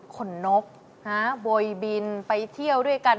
ขนนกโบยบินไปเที่ยวด้วยกัน